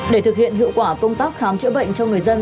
để thực hiện hiệu quả công tác khám chữa bệnh cho người dân